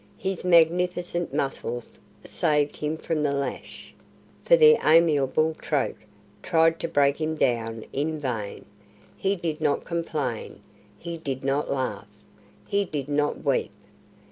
His magnificent muscles saved him from the lash; for the amiable Troke tried to break him down in vain. He did not complain, he did not laugh, he did not weep.